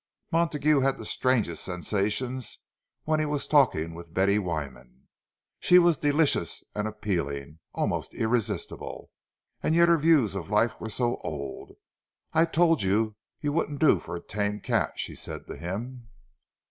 Montague had the strangest sensations when he was talking with Betty Wyman; she was delicious and appealing, almost irresistible; and yet her views of life were so old! "I told you you wouldn't do for a tame cat!" she said to him.